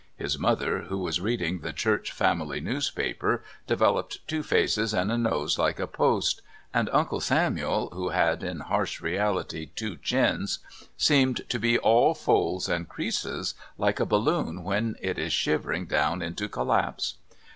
His mother, who was reading The Church Family Newspaper, developed two faces and a nose like a post, and Uncle Samuel, who had, in harsh reality, two chins, seemed to be all folds and creases like a balloon when it is shivering down into collapse.